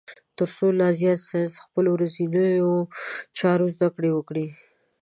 تر څو لا زیات د ساینس خپلو ورځنیو چارو زده کړه وکړي.